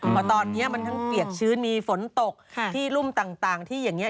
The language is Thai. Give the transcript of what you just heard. เพราะตอนนี้มันทั้งเปียกชื้นมีฝนตกที่รุ่มต่างที่อย่างนี้